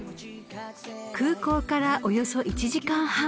［空港からおよそ１時間半］